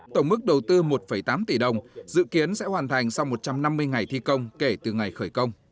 tổng mức đầu tư một tám tỷ đồng dự kiến sẽ hoàn thành sau một trăm năm mươi ngày thi công kể từ ngày khởi công